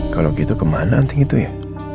kalau gitu kemana anting itu ya